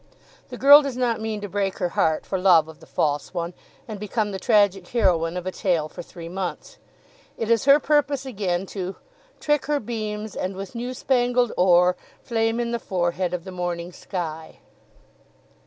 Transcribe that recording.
The girl does not mean to break her heart for love of the false one, and become the tragic heroine of a tale for three months. It is her purpose again to trick her beams, and with new spangled ore Flame in the forehead of the morning sky.